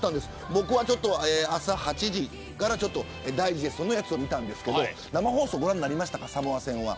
僕は朝８時からダイジェストを見たんですけど生放送、ご覧になりましたか。